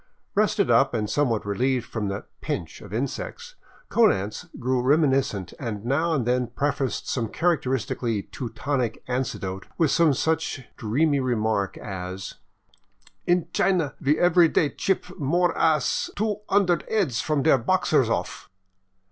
Rested up and some what relieved from the " pinch '* of insects, Konanz grew reminiscent and now and then prefaced some characteristically Teutonic anecdote with some such dreamy remark as :" In China ve every day chip more ass two hunderd heads from der Boxers off."